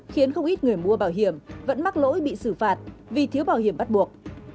khiến không ít người mua bảo hiểm vẫn mắc lỗi bị xử phạt vì thiếu bảo hiểm bắt buộc